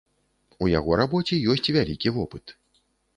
У яго рабоце ёсць вялікі вопыт.